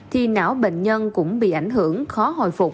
thì não bệnh nhân cũng bị ảnh hưởng khó hồi phục